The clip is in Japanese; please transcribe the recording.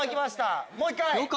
もう一回！